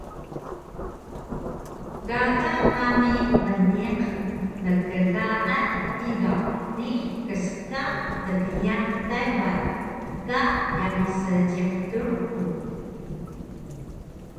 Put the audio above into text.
Gaga nami mniq nklaan hidaw ni kska dgiyaq Taywan ka yami Seejiq Truku